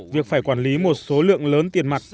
việc phải quản lý một số lượng lớn tiền mặt